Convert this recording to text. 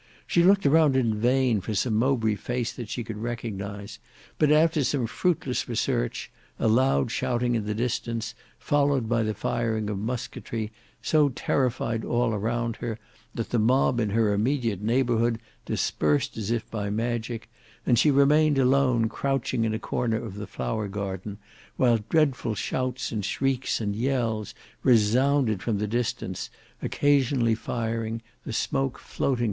She looked around in vain for some Mowbray face that she could recognise, but after some fruitless research, a loud shouting in the distance, followed by the firing of musketry, so terrified all around her, that the mob in her immediate neighbourhood dispersed as if by magic, and she remained alone crouching in a corner of the flower garden, while dreadful shouts and shrieks and yells resounded from the distance, occasionally firing, the smoke floating to her retreat.